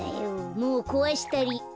もうこわしたり。